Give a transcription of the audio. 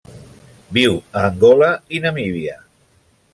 Viu a Angola i Namíbia.